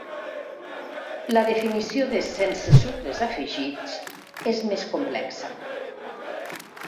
La definició de “sense sucres afegits” és més complexa.